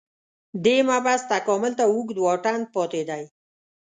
دې مبحث تکامل ته اوږد واټن پاتې دی